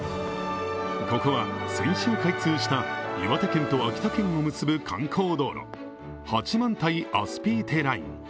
ここは先週開通した岩手県と秋田県と結ぶ観光道路、八幡平アスピーテライン。